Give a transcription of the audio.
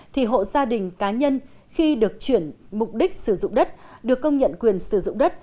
thì hộ gia đình cá nhân khi được chuyển mục đích sử dụng đất được công nhận quyền sử dụng đất